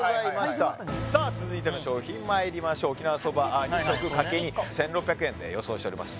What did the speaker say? はいはいはいはいさあ続いての商品まいりましょう沖縄そば２食×２１６００円で予想しております